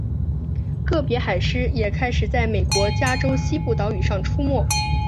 个别海狮也开始在美国加州西部岛屿上出没。